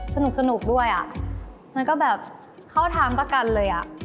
สนุกด้วยอ่ะมันก็แบบเข้าทางประกันเลยอ่ะ